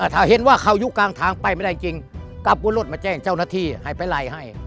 ถ้าเห็นว่าเขาอยู่กลางทางไปไม่ได้จริงกลับบนรถมาแจ้งเจ้าหน้าที่ให้ไปไล่ให้